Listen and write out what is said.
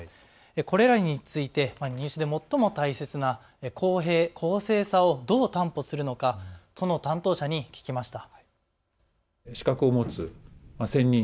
これらについて入試で最も大切な公平・公正さをどう担保するのか都の担当者に聞きました。